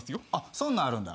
そんなんあるんだ。